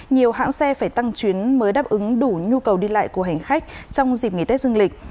nhiều hãng xe phải tăng chuyến mới đáp ứng đủ nhu cầu đi lại của hành khách trong dịp nghỉ tết dương lịch